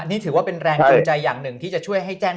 นี่ถือว่าเป็นแรงจูงใจอย่างหนึ่งที่จะช่วยให้แจ้ง